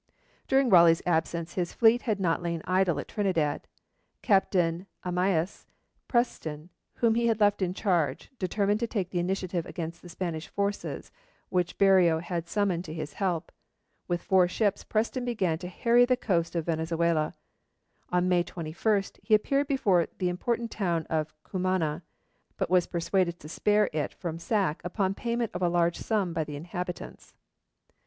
During Raleigh's absence his fleet had not lain idle at Trinidad. Captain Amyas Preston, whom he had left in charge, determined to take the initiative against the Spanish forces which Berreo had summoned to his help. With four ships Preston began to harry the coast of Venezuela. On May 21 he appeared before the important town of Cumana, but was persuaded to spare it from sack upon payment of a large sum by the inhabitants.